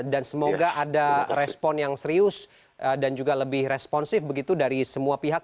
dan semoga ada respon yang serius dan juga lebih responsif begitu dari semua pihak